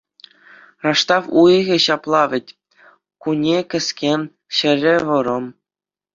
Раштав уйӑхӗ ҫапла вӗт: кунӗ кӗске, ҫӗрӗ вӑрӑм.